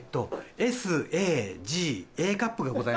ＳＡＧＡカップがございます。